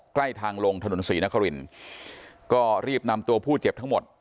ใกล้ทางลงถนนศรีนครินก็รีบนำตัวผู้เจ็บทั้งหมด